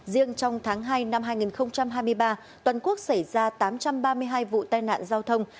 riêng trong tháng hai năm hai nghìn hai mươi ba toàn quốc xảy ra tám trăm ba mươi hai vụ tai nạn giao thông